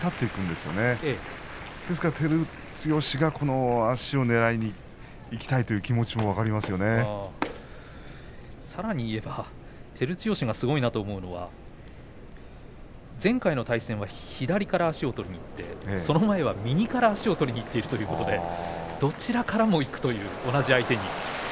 ですから照強が足をねらいにいきたいというさらに言えば照強がすごいなと思うのは前回の対戦は左から足を取りにいってその前は右から足を取りいってるということでどちらからもいくという同じ相手に。